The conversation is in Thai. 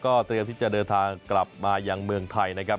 เตรียมที่จะเดินทางกลับมายังเมืองไทยนะครับ